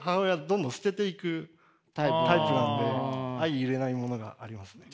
どんどん捨てていくタイプなんで相いれないものがありますね。